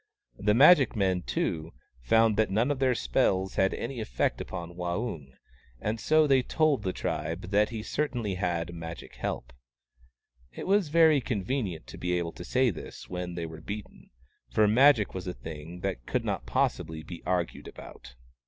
The magic men, too, found that none of their spells had any effect upon Waung, and so they told the tribe that he certainly had magic help. It was very convenient to be able to say this when they were beaten, for Magic was a thing that could not possibly be argued about.